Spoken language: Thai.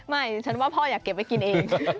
ฉันว่าพ่ออยากเก็บไว้กินเอง